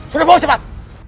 sudah bawa cepat